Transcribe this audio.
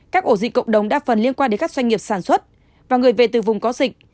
các ổ dịch cộng đồng đa phần liên quan đến các doanh nghiệp sản xuất và người về từ vùng có dịch